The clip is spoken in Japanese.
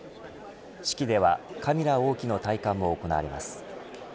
式ではカミラ王妃の戴冠も行われます。